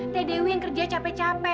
tdew yang kerja capek capek